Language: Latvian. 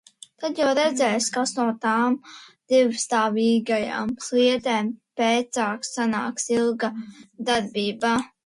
Tad jau redzēs, kas no tām divstāvīgajām sliedēm pēcāk sanāks. Ilga darbībā.